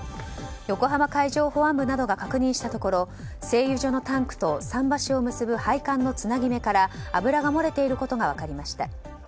横浜海上保安部などが確認したところ製油所のタンクと桟橋を結ぶ配管のつなぎ目から油が漏れていることが分かりました。